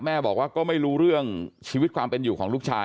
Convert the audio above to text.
แม่บอกว่าก็ไม่รู้เรื่องชีวิตความเป็นอยู่ของลูกชาย